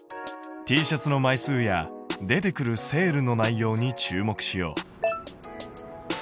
Ｔシャツの枚数や出てくるセールの内容に注目しよう。